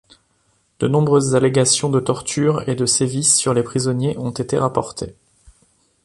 De nombreuses allégations de tortures et de sévices sur les prisonniers ont été rapportées.